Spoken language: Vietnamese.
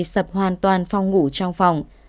sập hoàn toàn phong ngủ trong phòng